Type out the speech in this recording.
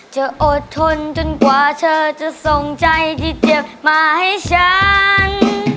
อดทนจนกว่าเธอจะส่งใจที่เจ็บมาให้ฉัน